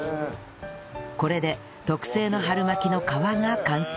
これで特製の春巻の皮が完成